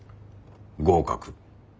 合格。